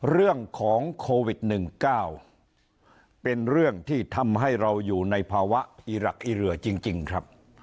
เรื่องของโควิด๑๙เป็นเรื่องที่ทำให้เราอยู่ในภาวะอีรักอีเหลือจริงครับ